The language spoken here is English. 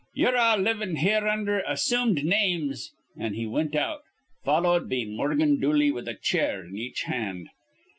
'Ye're all livin' here undher assumed names'; an' he wint out, followed be Morgan Dooley with a chair in each hand.